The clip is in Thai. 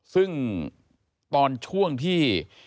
ซึ่งตอนช่วงที่